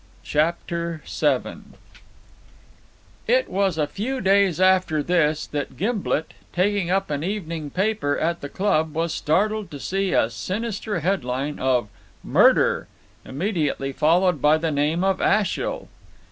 CHAPTER VII It was a few days after this that Gimblet, taking up an evening paper at the Club, was startled to see a sinister headline of "Murder," immediately followed by the name of Ashiel.